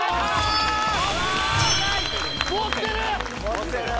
持ってる！